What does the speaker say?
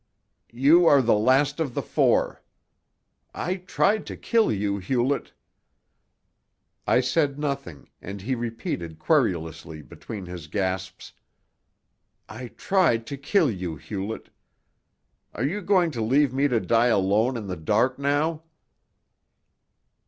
"You are the last of the four. I tried to kill you, Hewlett." I said nothing, and he repeated querulously, between his gasps: "I tried to kill you, Hewlett. Are you going to leave me to die alone in the dark now?"